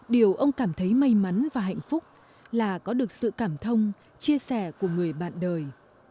điều ông cảm thấy may mắn và hạnh phúc là có được sự cảm thông chia sẻ của người bạn đời